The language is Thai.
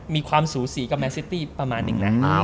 มีความสูสีกับแมนซิตี้ประมาณหนึ่งนะ